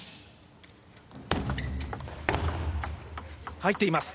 入っています。